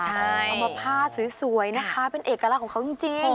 เอามาผ้าสวยนะคะเป็นเอกลักษณ์ของเขาจริง